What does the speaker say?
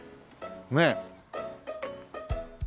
ねえ。